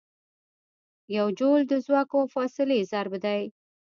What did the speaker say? یو جول د ځواک او فاصلې ضرب دی.